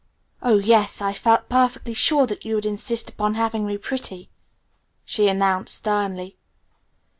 "Oh, yes, I felt perfectly sure that you'd insist upon having me 'pretty'!" she announced sternly.